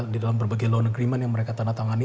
di dalam negeriman yang mereka tanah tangani